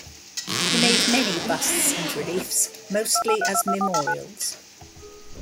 He made many busts and reliefs, mostly as memorials.